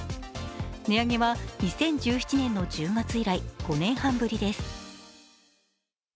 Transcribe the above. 値上げは２０１７年の１０月以来５年半ぶりです。